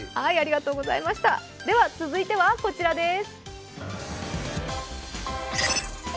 では、続いてはこちらです。